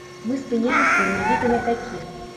Мы спыняемся менавіта на такім.